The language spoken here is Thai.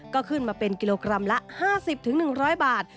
ก็ขึ้นมาเป็นกิโลกรัมละ๕๐๑๐๐บาท